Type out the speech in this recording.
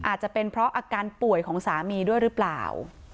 อาจจะเป็นเพราะอาการป่วยของสามีด้วยหรือเปล่า